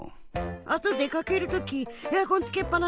あとでかけるときエアコンつけっぱなしだったし。